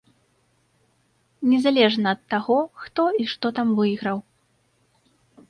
Незалежна ад таго, хто і што там выйграў.